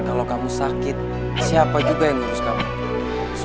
ketimbang teh aja masih di erup erup sih